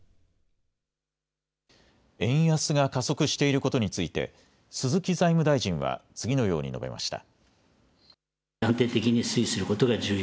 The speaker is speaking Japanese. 円安が加速していることについて鈴木財務大臣は次のように述べました。